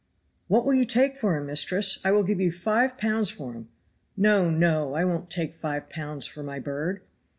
"WHAT will you take for him, mistress? I will give you five pounds for him." "No! no! I won't take five pounds for my bird!"